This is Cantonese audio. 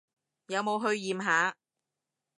有冇去驗下？